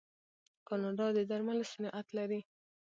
کاناډا د درملو صنعت لري.